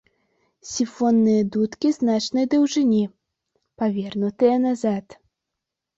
Сіфонныя дудкі значнай даўжыні, павернутыя назад.